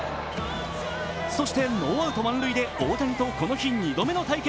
そして、ノーアウト満塁で大谷とこの日２度目の対決。